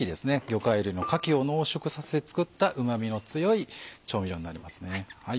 魚介類のカキを濃縮させて作ったうま味の強い調味料になりますね。